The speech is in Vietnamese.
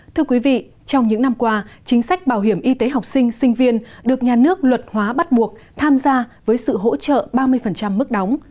thưa quý vị trong những năm qua chính sách bảo hiểm y tế học sinh sinh viên được nhà nước luật hóa bắt buộc tham gia với sự hỗ trợ ba mươi mức đóng